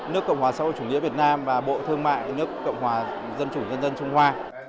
nước cộng hòa xã hội chủ nghĩa việt nam và bộ thương mại nước cộng hòa dân chủ nhân dân trung hoa